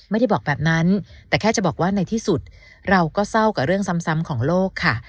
ไม่ได้บอกแบบนั้นแต่แค่จะบอกว่าในที่สุดเราก็เศร้ากับเรื่องซ้ำของโลกค่ะ